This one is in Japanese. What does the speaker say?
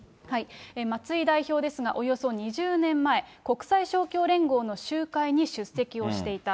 松井代表ですが、およそ２０年前、国際勝共連合の集会に集会に出席をしていた。